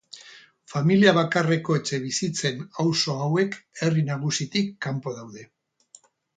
Familia bakarreko etxebizitzen auzo hauek herri nagusitik kanpo daude.